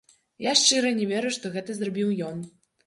Я шчыра не веру, што гэта зрабіў ён.